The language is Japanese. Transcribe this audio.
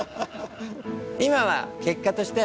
今は結果として。